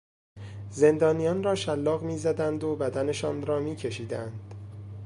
زندانیان را شلاق میزدند و بدنشان را میکشیدند.